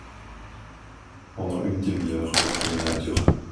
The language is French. Pendant une demi-heure, la promenade dura.